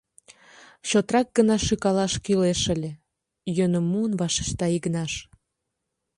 Чотрак гына шӱкалаш кӱлеш ыле, — йӧным муын вашешта Игнаш.